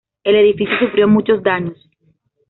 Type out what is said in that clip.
El edificio sufrió muchos daños.